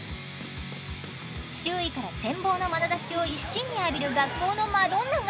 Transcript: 周囲から羨望のまなざしを一身に浴びる学校のマドンナが。